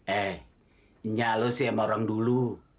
eh nyak lo sih sama orang dulu